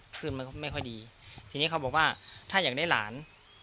คืนมันก็ไม่ค่อยดีทีนี้เขาบอกว่าถ้าอยากได้หลาน